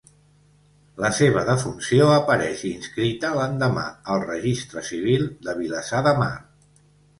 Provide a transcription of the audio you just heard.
La seva defunció apareix inscrita l’endemà al registre civil de Vilassar de Mar.